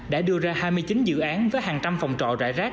đã đưa ra hai mươi chín dự án với hàng trăm phòng trọ rải rác